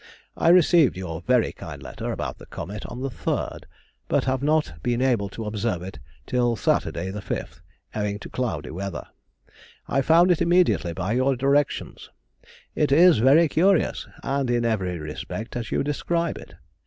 I received your very kind letter about the comet on the 3rd, but have not been able to observe it till Saturday, the 5th, owing to cloudy weather. I found it immediately by your directions; it is very curious, and in every respect as you describe it.